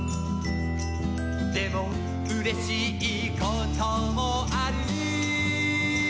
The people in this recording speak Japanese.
「でもうれしいこともある」